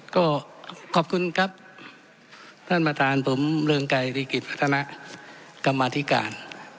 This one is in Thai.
ก็ขอบคุณครับท่านประธานผมเริงไกรริกิจวัฒนะกรรมธิการ